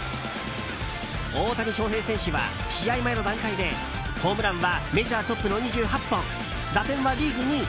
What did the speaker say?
大谷翔平選手は試合前の段階でホームランはメジャートップの２８本打点はリーグ２位。